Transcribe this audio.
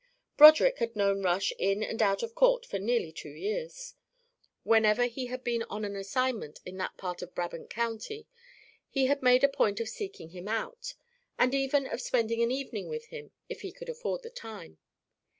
Broderick had known Rush in and out of court for nearly two years. Whenever he had been on an assignment in that part of Brabant County he had made a point of seeking him out, and even of spending an evening with him if he could afford the time.